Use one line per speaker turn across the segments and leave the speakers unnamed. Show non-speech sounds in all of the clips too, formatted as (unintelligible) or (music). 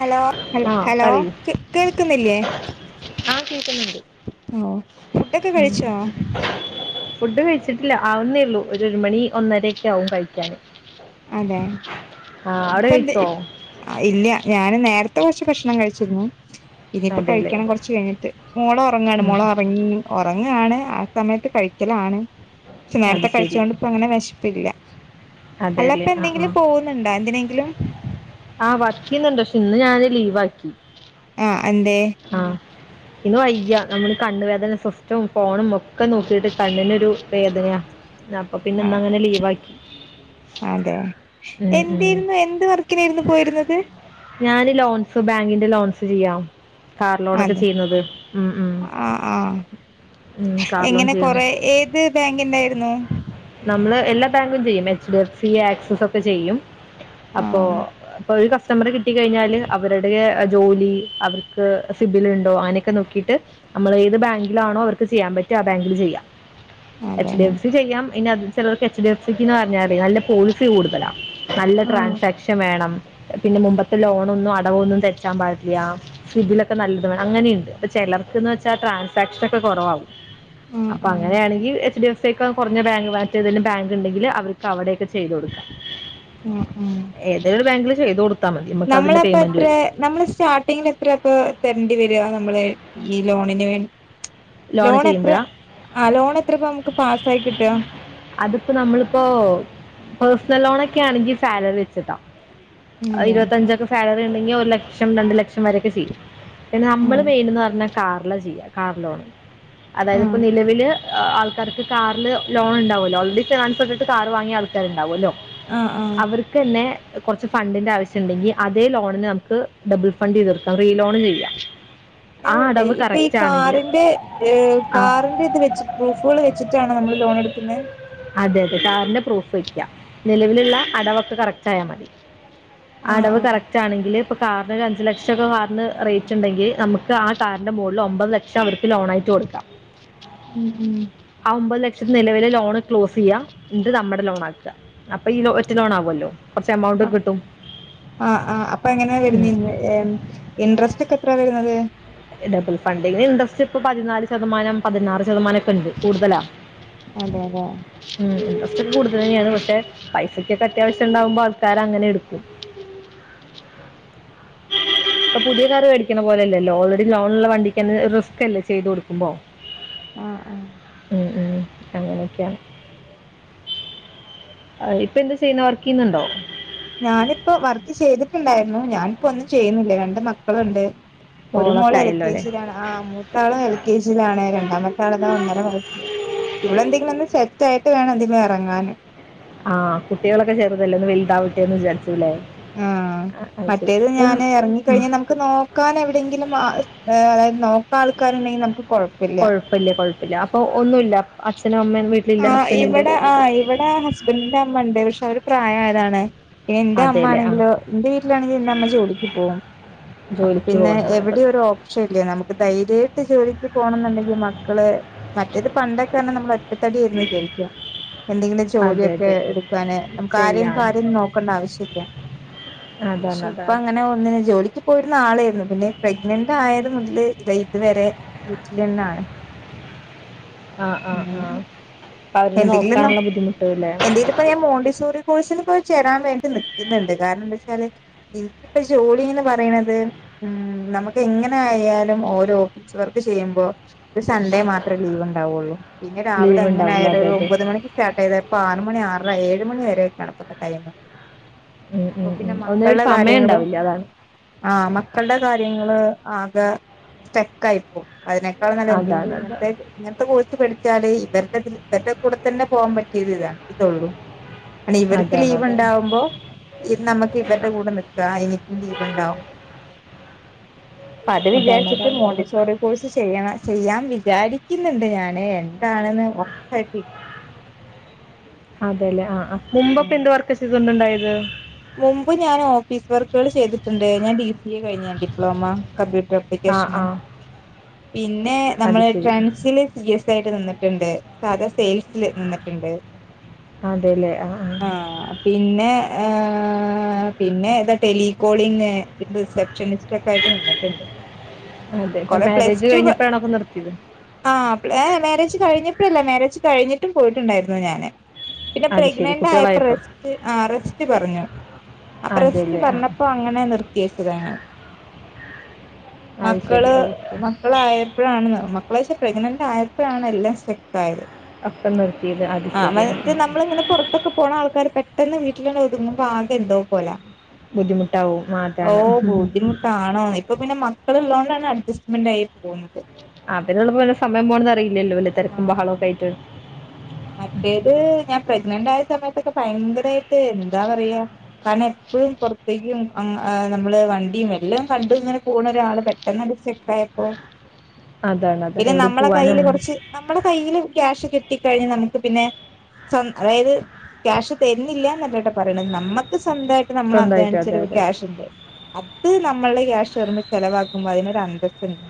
Hello
ആഹ്
hello കേൾക്കുന്നില്ലേ
ആഹ് കേക്കുന്നുണ്ട്
ഫുഡൊക്കെ കഴിച്ചോ
ഫുഡ് കഴിച്ചിട്ടില്ല ആവുന്നേ ഉള്ളൂ ഒരു ഒരു മണി ഒന്നര ഒക്കെ ആകും കഴിക്കാന്
അതെ
ആഹ് അവിടെ
ഇപ്പ എന്ത്
കഴിച്ചോ
ഇല്ല ഞാന് നേരത്തെ കുറച്ച് ഭക്ഷണം കഴിച്ചിരുന്നു ഇനിയിപ്പോ
അതെല്ലേ
കഴിക്കണം കുറച്ച് കഴിഞ്ഞിട്ട് മോള് ഉറങ്ങാണ്
ഉം
മോള് ഉറങ്ങി ഉറങ്ങാണ് ആ സമയത്ത് കഴിക്കലാണ് പക്ഷെ
അത്
നേരത്തെ കഴിച്ചു
ശരി
കൊണ്ട് ഇപ്പ അങ്ങനെ വിശപ്പില്ല അല്ല ഇപ്പ
അതെല്ലേ ആഹ്
എന്തെങ്കിലും
ആഹ്
പോകുന്നുണ്ടോ എന്തിനെങ്കിലും
ആഹ് വർക്ക് ചെയ്യുന്നുണ്ട് പക്ഷെ ഇന്ന് ഞാൻ അത് ലീവ് ആക്കി
ആഹ് എന്തേ
ആഹ് ഇന്ന് വയ്യ നമ്മള് കണ്ണുവേദന സിസ്റ്റവും ഫോണും ഒക്കെ നോക്കിട്ട് കണ്ണിനൊരു വേദനയാ അപ്പൊ പിന്നെ
ആ
ഇന് അങ്ങനെ ലീവ് ആക്കി
അതെ എന്തായിരുന്നു എന്ത് വർക്കിനായിരുന്നു പോയിരുന്നത്
ഞാൻ ലോൺസ് ബാങ്കിന്റെ ലോൺസ് ചെയ്യാം കാർ ലോണ ഒക്കെ
അതെ
ചെയ്യുന്നത് ഉം ഉ
ആ ആ
ഉം കാർലോൺ ചെയ്യന്ന്
ത് ഏത് ബാങ്കിന്റായിരുന്നു
നമ്മള് എല്ലാ ബാങ്കും ചെയ്യും H D F C Axis ഒക്കെ ചെയ്യും
ആ
അപ്പൊ അപ്പൊ ഒരു കസ് റ്റമറെ കിട്ടി കഴിഞ്ഞാല് അവരുടെ ജോലി അവർക്ക് സിബില ഉണ്ടോ അങ്ങനെയൊക്കെ നോക്കിട്ട് നമ്മൾ ഏത് ബാങ്കിലാണോ അവർക്ക് ചെയ്യാൻ പറ്റി ആ ബാങ്കിൽ ചെയ്യാം എച്ച് ഡി
അതെല്ലേ
എഫ് സി ചെയ്യാം പിന്നെ അത് ചിലർക്ക് എച്ച് ഡിഫ സിന്ന് പറഞ്ഞാ നല്ല പോളിസി കൂടുതലാ നല്ല
ആഹ്
ട്രാൻസാക്ഷൻ വേണം പിന്നെ മുമ്പത്തെ ലോണൊന്നും അടവൊന്നും തെറ്റാൻ പാടില്ല സ്വിബിലൊക്കെ നല്ലത് അങ്ങനെയുണ്ട് അപ്പ ചിലർക്കെന്ന് വെച്ചാൽ ട്രാൻസാക്ഷൻ ഒക്കെ കുറവാ
ആഹ്
അപ്പൊ
ആഹ്
അങ്ങനെയാണങ്കിൽ എച്ച്ഡി എഫ്സി യെക്കാൾ കോർ ബാങ്ക് മാറ്റൽഏതെങ്കിലും ബാങ്ക് ഉണ്ടെങ്കിൽ അവർക്ക് അവിടെയൊക്കെ ചെയ്തു കൊടുക്കാം.
ഉം ഉം
ഏതൊരു ബാങ്കിൽ ചെയ്തു കൊടുത്താ മതി നമുക്ക് അതിൻ്റെ പേമെന്റ് വരും.
നമ്മൾ സ്റ്റാർട്ടിങ്ങിൽ എത്ര ഇപ്പ തരേണ്ടി വര നമ്മൾ ഈ ലോണിന് വേണ്ടി ലോൺ എത്ര ആ ലോൺ എത്ര ഇപ്പോ നമുക്ക് പാസ് ആയി കിട്ട
അതിപ്പോ നമ്മളിപ്പോ പേഴ്സണൽ ലോണൊക്കെ ആണെങ്കിൽ സാലറി വെച്ചിട്ടാവും.
അതെ
ഇരുപത്തഞ്ചൊക്കെ സാലറി ഉണ്ടെങ്കിൽ ഒരു ലക്ഷം രണ്ട് ലക്ഷം വരൊക്കെ കിട്ടിയിരിക്കും പിന്നെ നമ്മൾ
ആഹ്
മെയിൻ എന്ന് പറഞ്ഞാ കാർല ചെയ്യാ കാർലോൺ അതായത് ഇപ്പൊ
ആഹ്
നിലവിൽ ആൾക്കാർക്ക് കാറിൽ ലോൺ ഉണ്ടാവുമല്ലോ ഓൾ റെഡി ഫിനാൻ ഇട്ടിട്ട് കാർ വാങ്ങിയ ആൾക്കാർ ഉണ്ടാവുമല്ലോ
ആഹ് ആഹ്
അവർക്ക് തന്നെ കുറച്ച് ഫണ്ടിന്റെ ആവശ്യം ഉണ്ടെങ്കിൽ അതേ ലോണിന് നമുക്ക് ഡബിൾ ഫണ്ട് ചെയ്ത് തീർക്കാം റീ ലോൺ ചെയ്യാം.
ഞാൻ
ആ
ചോദിക്കട്ടെ
അടവ്
ഇപ്പൊ ഈ
കറക്റ്റ് ആണെങ്കിൽ
കാറിന്റെ
ആ
കാറിന്റെ ഇത് വെച്ചിട്ട് പ്രൂഫുകൾ വെച്ചിട്ടാണോ നമ്മൾ ലോൺ എടുക്കുന്നേ
അതെ അതെ കാറിന്റെ പ്രൂഫ് വെയ്ക്കാം നിലവിലുള്ള അടവൊക്കെ കറക്റ്റ് ആയാൽ മതി.
ആഹ്
അടവ്
ആഹ്
കറക്റ്റ് ആണെങ്കിൽ കാറിന് രണ്ട് ലക്ഷമൊക്കെ കാറിന് റേറ്റ് ഉണ്ടെങ്കിൽ നമുക്ക് ആ കാറിന്റെ മുകളിൽ ഒമ്പത് ലക്ഷം അവർക്ക് ലോൺ ആയിട്ട് കൊടുക്കാം.
ഉം ഉം
അഹ് ഓൺപത് ലക്ഷ,, നിലവിൽ ലോൺ ക്ലോസ് ചെയ്യാം എന്നിട്ട് നമ്മുടെ ലോൺ ആക്കുക അപ്പൊ ഈ ഒറ്റ ലോൺ ആവുമല്ലോ കുറച്ച് എമൗണ്ട്
ആഹ്
കിട്ടും
ആഹ് ആഹ് അപ്പൊ എങ്ങനെയാ
ഉം.
വരുന്നീൻ്റെ ഇൻട്രസ്റ്റ് ഒക്കെ എത്ര വരുന്നത്
ഡബിൾ ഫണ്ടിന് ഇൻട്രസ്റ്റ് ഇപ്പൊ പതിനാല് ശതമാനം പതിനാറ് ശതമാനമൊക്കെ ഉണ്ട് കൂടുതലാ
അതെ അതെ
ഉം ഇൻടറസ്റ്റ് ഒക്കെൂടുതലാണ് തന്നെയാണ് പക്ഷേ പൈസക്കൊക്കെ അത്യാവശ്യം ഉണ്ടാവുമ്പോൾ ആൾക്കാർ അങ്ങനെ എടുക്കും ഇപ്പൊ പുതിയ കാർ മേടിക്കണ പോലെയല്ലല്ലോ ഓൾറെഡി ലോൺ ഉള്ള വണ്ടിക്ക് തന്നെ റിസ്ക് അല്ലേ ചെയ്തു കൊടുക്കുമ്പോ
ആഹ് ആഹ്
ഉം ഉം അങ്ങനെയൊക്കെയാണ് അഹ് ഇപ്പൊ എന്താ ചെയ്യുന്നേ വർക്ക് ചെയ്യുന്നുണ്ടോ
ഞാനിപ്പോ വർക്ക് ചെയ്തിട്ടുണ്ടായിരുന്നു ഞാനിപ്പോ ഒന്നും ചെയ്യുന്നില്ലേ രണ്ട് മക്കളുണ്ട് ഒരു മോൾ
മോളൊക്കെ
എൽ
ആയല്ലോ
കെ
അല്ലേ
ജി യിലാണ്. ആഹ് മൂത്താൾ എൽ കെ ജി യിലാണ് രണ്ടാമത്തെ ആളതാ ഒന്നര വയസ് ഇവിടെ എന്തെങ്കിലും ഒന്ന് സെറ്റ് ആയിട്ട് വേണം എന്തെങ്കിലും ഇറങ്ങാൻ
ആഹ് കുട്ടികളൊക്കെ ചെറുതല്ലേ ഒന്ന് വലുതാവട്ടെന്ന് വിചാരിച്ചുല്ലേ
ആഹ് മറ്റേത് ഞാൻ ഇറങ്ങിക്കഴിഞ്ഞൽ നമ്മുക്ക് നമുക്ക് നോക്കാൻ എവിടെങ്കിലും ആഹ് അതായത് നോക്കാൻ ആൾക്കാരുണ്ടെങ്കിൽ നമുക്ക് കുഴപ്പമില്ല.
വലിയ കുഴപ്പമില്ല അപ്പൊ ഒന്നുമില്ല അഛനും അമ്മയും വീ-
ആഹ് ഇവിടെ ആഹ് ഇവിടെ ഹസ്ബൻ്റിന്റെ അമ്മ ഉണ്ട് പക്ഷെ അവർ പ്രായമായതാണ് എന്റെ
അതെ അല്ലേ ആ
അമ്മമാണെങ്കിൽ എന്റെ വീട്ടിലാെങ്കിൽ എന്റെ അമ്മ ജോലിക്ക് പോകും അപ്പൊ
ജോലിക്ക്
പിന്നെ
പോകുന്ന ആളപ്പൊ
എവിടെ ഒരു ഒപ്,, നമുക്ക് ധൈര്യമായിട്ട് ജോലിക്ക് പോകണം എന്നുണ്ടെങ്കിൽ മക്കളേ മറ്റേത് പണ്ടൊക്കെയാണ് നമ്മൾ ത്തടിയിരുന്നു ചരിക്കാം എന്തെങ്കിലും
അതെ
ജോലിയൊക്കെ
അതെ
എടുക്കാൻ നമുക്ക് ആരെയും
ചെയ്യാൻ
കാരും നോക്കണ്ട. ആവശ്യമില്ല
അതാണ്
പക്ഷെ ഇപ്പൊ
അതാണ്
അങ്ങനെ ഒന്നിന് ജോലിക്ക്,, ഇപ്പൊ ഒരു നാളായിരുന്നു പിന്നെ പ്രഗ്നന്റ് ആയത് മുതൽ ദേ ഇതുവരെ വീട്ടിൽ തന്നെയാണ് (inaudible)
ആഹ് ആഹ് ആഹ്
എന്തെങ്കിലുന്നോ എന്തെങ്കിലു ഇപ്പ ഞാൻ മോണ്ടിസോറി,, കോഴ്സിനു പോയി ചേരാൻ വേണ്ടി നിൽക്കുന്നുണ്ട്. കാരണം എന്താ വെച്ചാല് എനിക്ക് ഇപ്പൊ ജോലിന്ന് പറയണത് ഉം നമുക്ക് എങ്ങനെ ആയാലും ഓരോ ഓഫീസ് വർക്ക് ചെയ്യുമ്പോ ഒരു സൺഡേ മാത്രമേ ലീവ് ഉണ്ടാവുള്ളൂ. പിന്നെ രാവിലെ
ലീവ്
എങ്ങനെ
ഉണ്ടാവില്ല
ആയാലും
അതെ
ഒരു ഒമ്പത്
അതെ
ഒമ്പത് മണിക്ക് സ്റ്റാർട്ട് ചെയ്ത ഇപ്പ ആറ് മണി അറര ഏഴ് മണി വരെയക്കണപ്പത്തെ ടൈമ്.
ഉം,
അപ്പൊ
ഉം,
പിന്നെ
ഉം. ഒന്നിനും ഒരു
മക്കളുടെ
സമയം
കാര്യങ്ങളോ?.
ഉണ്ടാവില്ല അതാണ്
ആഹ് മക്കളുടെ കാര്യങ്ങള് ആകെ സ്റ്റക്കായി പോവും. അതിനേക്കാൾ നല്ലത്
അതാണ്
എന്തെങ്കിലും
അതാണ്
ഇങ്ങനത്തെ ഇങ്ങനത്തെ കോഴ്സ് പഠി ച്ചാലേ ഇവരുടെ ഇവരുടെ കൂടെ തന്നെ പോകാൻ പറ്റിയത് ഇതാണ് ഇതുള്ളൂ. ഇവർക്ക്
അതാണ്
ലീവ്
അതാണ്
ഉണ്ടാവുമ്പോ ഇത് നമുക്ക് ഇവരുടെ കൂടെ നിക്കും. എനിക്കും ലീവണ്ടാവും അത്
അതാണ്
വിചാരിച്ചിട്ട്
അതാണ്
മോൻ്റെ ചെറിയ കോഴ്സ് ചെയ്യണം ചെയ്യാൻ വിചാരിക്കുന്നുണ്ട് ഞാന് എന്താണെന്ന് ഉറപ്പാക്കി
അതെ അല്ലെ ആഹ മുമ്പ്പ്പൊ എന്ത് വർക്ക് ചെയ്തുകൊണ്ട ഉണ്ടായത്
മുമ്പ് ഞാൻ ഓഫീസ് വർക്കുകൾ ചെയ്തിട്ടുണ്ട്. ഞൻ ഡി സി എ കഴിഞ്ഞതാണ് ഡിപ്ലോമ കമ്പ്യൂട്ടർ
ആ
വെക്കേഷന്
ആ
പിന്നെ
അത്
നമ്മള്
ശരി
ട്രൻസില് സിയസ് ആയിട്ട് നിന്നിട്ട് ഉണ്ട് സാധാ സെയിൽസിൽ നിന്നിട്ടുണ്ട്
അതെല്ലേ ആ ആഹ
പിന്നെ ഹ പിന്നെതാ ടെലികോളിംഗ് റിസപ്ഷനിസ്റ്റ് സയിൽസായിട്ട് നിന്നിട്ടുണ്ട്
അതെ ഇപ്പം
കൊറെ
മാരേജ്
പ്ലസ്ടു പ
കഴിഞ്ഞപ്പോഴാണോ ഒക്കെ നിർത്തിയത്
ആഹ ഏ മാരേജ് കഴിഞ്ഞപ്പഴല്ല മാരേജ് കഴിഞ്ഞിട്ടും പോയിട്ടുണ്ടായിരുന്നു ഞാാന് പിന്നെ
അത് ശരി
പ്രഗ്നന്റ് ആയപ്പോ
കുട്ടികളായപ്പോ
റസ്റ്റ് പറഞ്ഞു ആ പ്രസിച്ച്
അതെല്ലേ ആ
പറഞ്ഞപ്പോ അങ്ങനെ നിർത്തി വെച്ചതാണ്
അത് ശരി
മക്കള്
ഓക്കെ
മക്കളായപ്പോഴാണ് ന്ന് മക്കളച്ചെ പ്രഗ്നന്റ് ആയപ്പോഴാണ് എല്ലാം സ്ട്രക് ആയത്
അപ്പൊ നിർത്തിയത് അത് ശരിയ
ഇപ്പൊക്കെ പോ ആൾക്കാര് പെട്ടെന്ന് വീട്ടിൽ തന്നെ ഒതുങ്ങുമ്പോ ആകെ എന്തോ പോലെ
ബുദ്ധിമുട്ടാവും ആ
ഓ
അതാണ്
ബുദ്ധിമുട്ടാണോ അപ്പൊ പിന്നെ മക്കള ഉള്ളോണ്ടാണ് അഡ്ജസ്റ്റ്മെന്റ് ആയി പോകുന്നത്
അ അവനുള്ളപ്പോ സമയം പോകണത് അറിയില്ലല്ലോ വല തിരക്കും
ആഹ്
ബഹളമക്കെ ആയിട്ട്
മറ്റേത് ഞാൻ പ്രഗ്നന്റ് ആയ സമയത്തൊക്കെ ഭയങ്കരമായിട്ട് എന്താ പറയാ കാരണം എപ്പഴും പുറത്തേക്കും നമ്മള് വണ്ടിയും എല്ലാം കണ്ട് ഇങ്ങനെ പോണ ഒരാള് പെട്ടന്ന് പെട്ടെന്ന് സ്റ്റകായപ്പോ
അതാണ് അതാണ്
പിന്നെ
എവിടെയും
നമ്മളെ
പോവാനും
കയ്യിൽ
ഒന്നും
കുറച്ച് നമ്മളുടെ കയ്യിൽ ക്യാഷ് കിട്ടി കഴിഞ്ഞാൽ നമുക്ക് പിന്നെ അതായത് ക്യാഷ് തരുന്നില്ലന്നല്ലട്ട് പറയണത് നമ്മുക്ക് സ്വന്തമായിട്ട് നമ്മൾ
സ്വന്തമായിട്ട് അതെ
അദ്ധ്വാനിച്ച
അതെ
ക്യാഷ് ഉണ്ട് അത് നമ്മളുടെ ക്യാഷ് വരുമ്പോ ചിലവാക്കുമ്പോൾ അതിനൊരു അന്തസുണ്ട്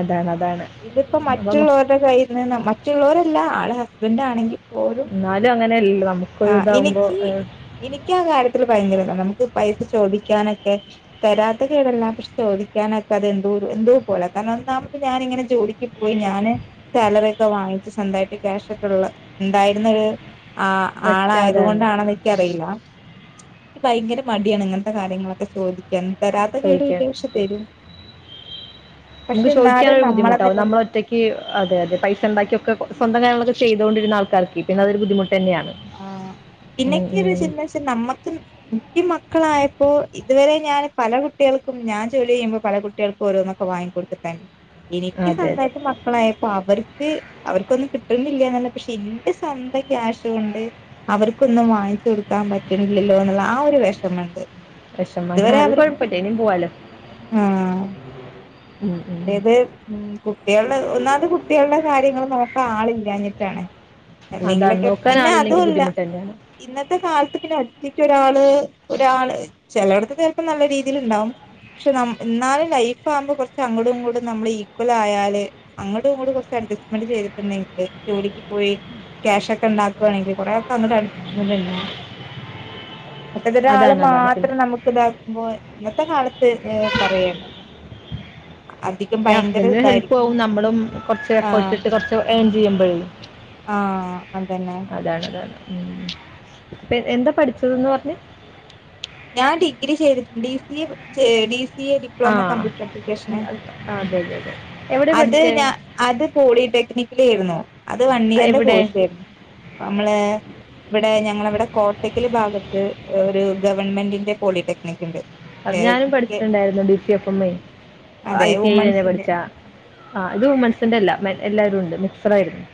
അതാണ് അതാണ്
ഇതിപ്പോ
അപ്പം
മറ്റുള്ളവരുടെ കയ്യിൽ നിന്ന് മറ്റുള്ളവരല്ല ആളെ ഹസ്ബൻ്റ ആണെങ്കിൽ പോലും
എന്നാലും അങ്ങനെയല്ല
ആ
നമുക്കൊരു ഇതാവുമ്പോ
എനിക്ക് എനിക്ക് ആ കാര്യത്തിൽ ഭയങ്കരത നമുക്ക് പൈസ ചോദിക്കാനൊക്കെ തരാത്ത കേടല്ല. പക്ഷെ ചോദിക്കാനൊക്കെ അത് എന്ത എന്തോ പോല കാരണം ഒന്നാമത് ഞാനിങ്ങനെ ജോലി പോയി ഞാന് സാലറി ഒക്കെ വാങ്ങിച്ചു സ്വന്തായിട്ട് ക്യാഷ ഒ എന്തായിരുന്നു ഒരു ആ
പറ്റ അതാണ്
ആളായതുകൊണ്ടാണത് എനറിയില്ല എനിക്ക് ഭയങ്കര മടിയാണ് ഇങ്ങനത്തെ കാര്യങ്ങളൊക്കെ ചോദിക്കാൻ തരാത്ത
ചോദിക്കാൻ.
കേട്ഇല്ല പക്ഷെ തരും പക്ഷെ
നമുക്ക് ചോദിക്കാന്
എന്നാലും
ഒരു
നമ്മളെ
ബുദ്ധിമുട്ടാവും
നിലനിൽ
നമ്മള് ഒറ്റക്ക് അതെ അതെ പൈസ ഉണ്ടാക്കിക്കെ സ്വന്തം കാര്ങ്ങളൊക്കെ ചെയ്തൊണ്ടിരുന്ന ആൾക്കർക്ക് പിന്നെ അതൊരു ബുദ്ധിമുട്ട് തന്നെയാണ്
ആ
ഉം,
പിന്നെക്കെയ ഒരു
ഉം.
സിറ്റുവേഷൻ നമക്ക് വെച്ച എനിക്ക് മക്കളായപ്പോ ഇതുവരെ ഞാൻ പല കുട്ടികൾക്കും ഞാൻ ജോലി ചെയ്യുമ്പോ പല കു കുട്ടികൾക്ക് ഓരോന്നൊക്കെ വാങ്ങി കൊടുത്തിട്ടുണ്ടായിരുന്നു എനിക്ക്
അതെ, അതെ.
സ്വാന്തമായി മക്കളായപ്പോ അവർക്ക് അവർക്കൊന്നും കിട്ടുന്നില്ലല്ലെന്നല്ല പക്ഷെ എന്റെ സ്വന്തം ക്യാഷ് വിണ്ട് അവർക്കൊന്നും വാങ്ങിച്ചു കൊടുക്കാൻ പറ്റില്ലല്ലോ എന്നുള്ള ആ ഒരു വിഷമുണ്ട്
വിഷമം.
ഇതുവരെ
അത്
അവർക്ക്
കുഴപ്പമില്ല. ഇനിയും പോവാലോ.
ആഹ
ഉം, ഉം.
അതായത് ഉം കുട്ടികളുടെ ഒന്നാമത് കുട്ടികളുടെ കാര്യങ്ങൾ നമുക്ക് ആളില്ലഞ്ഞിട്ടാാണ്
അതാണ്.
അല്ലെങ്കിലൊക്കെ
നോക്കാൻ
പിന്നെ
ആളില്ലെങ്കി
അതല്ല
ബുദ്ധിമുട്ട് തന്നെയാണ്.
ഇന്നത്തെ കാലത്ത് പിന്നെ ഒറ്റക്ക് ഒരാള് ഒരാള് ചിലയിടത്ത് ചിലപ്പോം നല്ല രീതിൽണ്ടാവും പക്ഷെ ന എന്നാലും ലൈഫ് ആകുമ്പോ കുറച്ച് അങ്ങോടും ഇങ്ങൂടും നമ്മള് ഈക്വൽ ആയാല് അങ്ങട്ടും ഇങ്ങ കുറച്ച് അഡ്ജസ്റ്റ്മെന്റ് ചെയ്തിട്ടുണ്ടെങ്കില് ജോലിക്ക് പോയി ക്യാഷ് ഒക്കെ ഉണ്ടാക്കുകവാണെങ്കിൽ കുറെേ അ അഡ്സ്മെന്റ് ഉണ്ടാവും മറ്റതൊ ഒരാള്
അതാണ്, അതാണ് പിന്നെ.
മാത്രം നമുക്ക് ഇതാക്കുമ്പോ ഇന്നത്തെ കാലത്ത് പറയണ
(unintelligible) ഹസ്ബന്ഡറിന് ഹെൽപ്പ്
ഇതായിരിക്കും
ആവും നമ്മളും കുറച്ച് എഫേർട്ടിട്ട് കുറച്ച് ഏൺ ചെയ്യുമ്പോഴും
ആഹ അതന്നെ
അതാണ് അതാണ് ഉം അപ്പൊ എന്താ പഠിച്ചതെന്ന് പറഞ്ഞെ
ഞാൻ ഡിഗ്രി ചെയ്തിട്ടുണ്ട് ഡി സി എ ഡിസി
ആഹ അതെ അതെ അതെ എവിടെയാ
അത്
പഠിച്ചേ?
ഞാ അത് പോളിടെക്നിക്കിലേരുന്നു അത് വൺ ഇയറിന്റെ
എവിടെ?
കോഴ്സേര്ന്നു നമ്മളെ ഇവിടെ ഞങ്ങള ഇവിടെ കോട്ടക്കല് ഭാഗത്ത് ഒരു ഗവൺമെന്റിന്റെ പോളിടെക്നിക്ക്‌ ഇണ്ട്
അത്‌ ഞാനും പഠിച്ചിട്ടുണ്ടായിരുന്നു ഡി സി എഫ് മ്മെ ഐ
അതെ
ടി ഐലെന്നെ
വുമൺസിന്റെ
പഠിച്ചാ ആഹ ഇത് വുമൺസിന്റെ എല്ല എല്ലാരും ഉണ്ട് മിക്സഡ് ആയിരുന്നു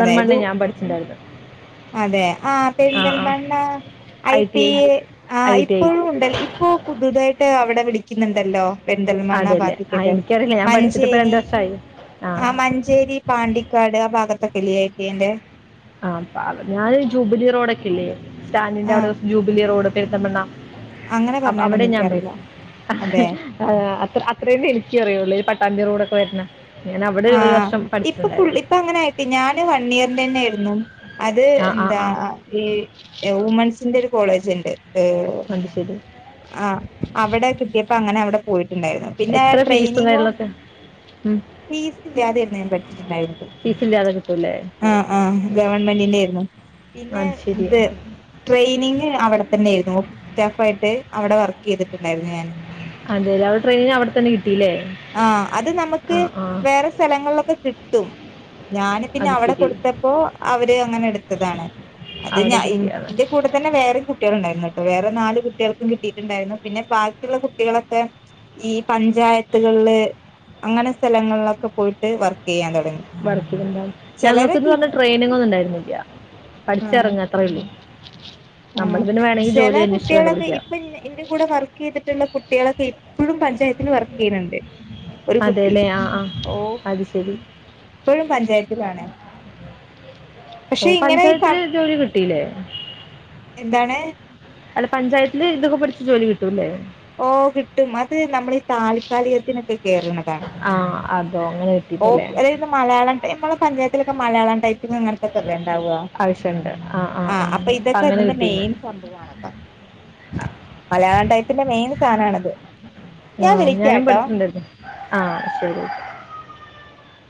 അതായത്
ഞാൻ പഠിച്ചിണ്ടായിരന്നത്
അതെ ആഹ്
ആ
പെരിന്തൽമണ്ണ ഐ ട്ടി എ ആ
ഐ ടി ഐ
ഇപ്പോഴും ഉണ്ടല്ല ഇപ്പൊ പുതുതായിട്ട് അവിടെ വിളിക്കുന്നുണ്ടല്ലോ പെരിന്തൽമണ്ണ
അതല്ലേ ആ
ഭാഗത്തിക്കേറ്റെ
എനിക്കറിയില്ല ഞാൻ പഠിച്ചിട്ട് ഇപ്പോൾ രണ്ട്
മഞ്ചേരി
വർഷമായി
ആ മൻ ഞ്ചേരി പാണ്ടിക്കാട് ആ ഭാഗത്തൊക്കെ ഇല്ലെ ഐ ട്ടി ഐ ന്റെ
ആ ഞാന് ജൂബിലി റോഡൊക്കെ ഇല്ലേ സ്റ്റാന്റിന്റെ
ആ
അവിടെ ജൂബിലി റോഡ് പെരുന്തമണ്ണ
അങ്ങനെ
അ അവിടെ
പറഞ്ഞാലൊന്നും
ഞാൻ പടിച്ച്
എനിക്കറിയില്ല അതെ
ആ അത്ര അത്രേം എനിക്കും അറിയുള്ളൂ ഈ പട്ടാമ്പി റോടൊക്കെ വരണ ഞാൻ അവിടെ ഒരു വർഷം പഠിച്ചിട്ടുണ്ടായിരുന്നു
അപ്പ അങ്ങനെ ഐ ട്ടി ഞാന് വൺ ഇയറിന്റെ തന്നെ ആയിരുന്നു അത്
ആ ആ
എന്താ
ആ
ഈ വുമണ്സിന്റെ ഒരു കോളേജ് ഉണ്ട് ഏഹ്
അത് ശരി
ആ അവിടെ കിട്ടിയപ്പോ അങ്ങനെ അവിടെ പോയിട്ടുണ്ടായിരുന്നു പിന്നെ
എത്ര ഫീസും
ട്രെയിനിങ്ങും
കാര്യങ്ങളൊക്കെ
ഫീസ് ഇല്ലാതേരുന്നു ഞാൻ പഠിച്ചിട്ടുണ്ടായിരുന്നത്
ഫീസില്ലാതെ കിട്ടുംല്ലെ
ആഹ ആഹ ഗവൺമെന്റിന്റെ ഏരുന്നു പിന്നെ
അത് ശരി
ഇത് ട്രെയിനിങ് അവിടെ തന്നെയായിയിരുന്നു ഓഫീസ് സ്റ്റാഫ് ആയിട്ട് അവിടെ വർക്ക് ചെയ്തിട്ടുണ്ടായിരുന്നു ഞാന്
അതെലെ അവ്ടെ ട്രെയിനിങ് അവ്ടെതന്നെ കിട്ടീല്ലേ
ആ അത് നമുക്ക് വേറെ സ്ഥലങ്ങളിലൊക്കെ കിട്ടും ഞാന് പിന്നെ
അത്
അവിടെ
ശരി
കൊടുത്ത പ്പോ അവര് അങ്ങനെ എടുത്തതാണ് അത് ഞ
അവിടെ കിട്ടിയാണ്
ഇന്റെ കൂടെ തന്നെ വേറെം കുട്ട്യാളുണ്ടായിരുന്നുട്ടോ വേറെ നാല് കുട്ട്യാൾക്കും കിട്ടിയിട്ടുണ്ടായിരുന്നു പിന്നെ ബാക്കിയുള്ള കുട്ടികളൊക്കെ ഈ പഞ്ചായത്തുകളില് അങ്ങനെ സ്ഥലങ്ങളിലൊക്കെ പോയിട്ട് വർക്ക് ചെയ്യാൻ തുടങ്ങി
വർക്ക്‌ ചെയിത്ണ്ടാവും ഞങ്ങൾക്ക്ന്ന്
ചിലരൊക്കെ
പറഞ്ഞ ട്രെയിനിങ് ഒന്നും ഇണ്ടായിരുന്നില്ല്യ
ആഹ്
പഠിച്ചിറെങ്ങ അത്രേ ഉള്ളൂ നമ്മൾ
ആഹ്
പിന്നെ വേണെങ്കിൽ
ചില
ജോലി അന്വേഷിച്ച്
കുട്ടികളൊക്കെ
കണ്ടുപിടിക്കുക
ഇപ്പൊ ഇന്റെ കൂടെ വർക്ക് ചെയ്തിട്ടുള്ള കുട്ട്യാളൊക്കെ ഇപ്പഴും പഞ്ചായത്തിന് വർ ചെയ്യിന്ന്ണ്ട് ഒരു കുട്ടി
അതെല്ലേ ആ ആ
ഓഹ്
അത് ശരി
ഇപ്പൊഴും പഞ്ചായത്തിലാണ്
ഓ
പക്ഷെ ഇങ്ങനെ
പഞ്ചായത്തില് ജോലി കിട്ടില്ലേ
എന്താണ്
അല്ല പഞ്ചായത്തില് ഇതൊക്കെ പഠിച്ച ജോലി കിട്ടുംല്ലേ
ഓ കിട്ടും അത് നമ്മൾ ഈ താൽക്കാലികത്തിനൊക്കെ കേറുന്നതാണ്
ആഹ് അതോ അങ്ങനെ കിട്ടീതല്ലേ
ന്ന് മലയാളം ട്ട ഇമ്മളെ പഞ്ചായത്തിലൊക്കെ മലയാളം ടൈപ്പിംഗ് അങ്ങൻത്തൊക്കല്ലേ ഇണ്ടാവാ
ആഹ് ആഹ്
ആഹ് അപ്പൊ ഇതെക്കെ ഇതിന്റെ മെയിൻ സംഭവാണട്ടോ മലയാളം ടൈ പിന്നെ മെയിൻ സാനാണത് ഞാൻ വിളിക്കാട്ടോ
ആഹ് ശരി